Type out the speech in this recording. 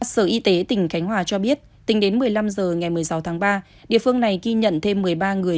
sở y tế tỉnh khánh hòa cho biết tính đến một mươi năm h ngày một mươi sáu tháng ba địa phương này ghi nhận thêm một mươi ba người